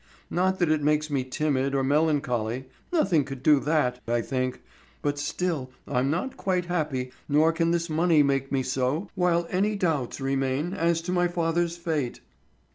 Not that it makes me timid or melancholy; nothing could do that, I think; but still I'm not quite happy, nor can this money make me so while any doubts remain as to my father's fate."